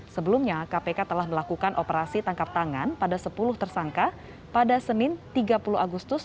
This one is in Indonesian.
sebelumnya kpk telah melakukan operasi tangkap tangan pada sepuluh tersangka pada senin tiga puluh agustus